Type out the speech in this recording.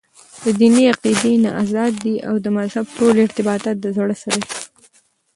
دديني عقيدي نه ازاد دي او دمذهب ټول ارتباط دزړه سره دى .